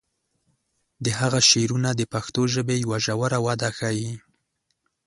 د هغه شعرونه د پښتو ژبې یوه ژوره وده ښیي.